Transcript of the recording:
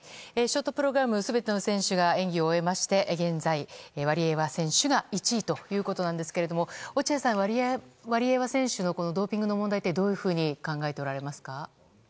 ショートプログラム全ての選手が演技を終えまして現在、ワリエワ選手が１位ということなんですが落合さんはワリエワ選手のドーピングの問題ってどういうふうに考えておられますか。